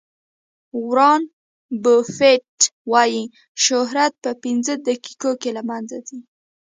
وارن بوفیټ وایي شهرت په پنځه دقیقو کې له منځه ځي.